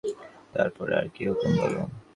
তার পরে আর কী হুকুম বলো।